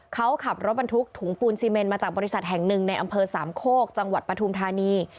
เขาขับรถบรรทุกถุงปูนซีเมนมาจากบริษัทแห่งหนึ่งในอำเภอสามโคกจังหวัดปฐุมธานี